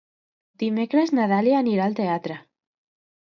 Dimecres na Dàlia anirà al teatre.